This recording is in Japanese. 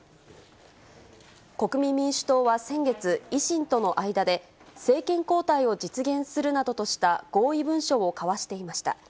国民民主党は先月、維新との間で、政権交代を実現するなどとした合意文書を交わしていました。